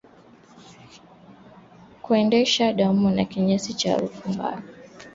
Kuharisha damu na kinyesi cha harufu mbaya